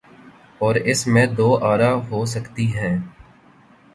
اوراس میں دو آرا ہو سکتی ہیں۔